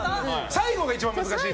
最後が一番難しい。